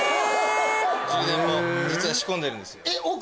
充電も実は仕込んでるんです。